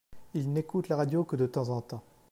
Ils n'écoutent la radio que de temps en temps.